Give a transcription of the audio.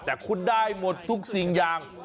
แต่คุณได้หมดทุกสิ่งอย่าง